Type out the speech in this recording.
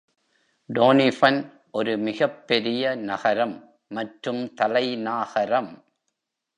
டோனிபன் ஒரு மிகப்பெரிய நகரம் மற்றும் தலை நாகரம்.